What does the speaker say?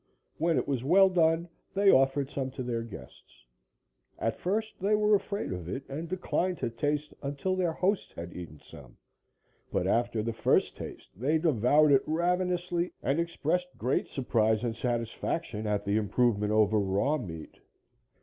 When it was well done, they offered some to their guests. At first they were afraid of it and declined to taste until their hosts had eaten some, but, after the first taste they devoured it ravenously and expressed great surprise and satisfaction at the improvement over raw meat.